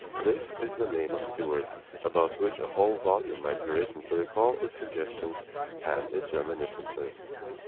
This is the name of Stuart, about which a whole volume might be written to recall its suggestions and its reminiscences.